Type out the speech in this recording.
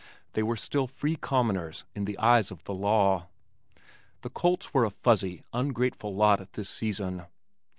They were still "free commoners" in the eyes of the law. The colts were a fuzzy, ungraceful lot at this season.